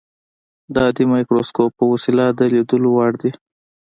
د عادي مایکروسکوپ په وسیله د لیدلو وړ دي.